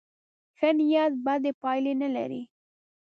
ښه نیت بدې پایلې نه لري.